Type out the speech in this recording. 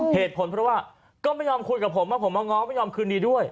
เหตุผลเพราะว่าก็ไม่ยอมคุยกับผมว่าผมมาง้อไม่ยอมคืนดีด้วย